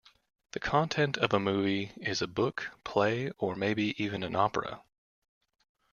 The content of a movie is a book, play or maybe even an opera.